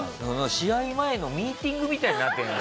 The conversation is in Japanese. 試合前のミーティングみたいになって。